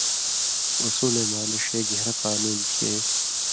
اُصولَیں معنہ ݜے گھېن٘رہ قانُون چے